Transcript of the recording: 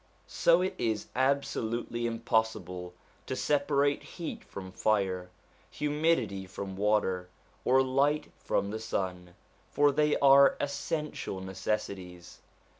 So it is absolutely im possible to separate heat from fire, humidity from water, or light from the sun, for they are essential necessities.